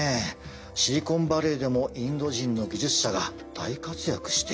シリコンバレーでもインド人の技術者が大活躍しているし。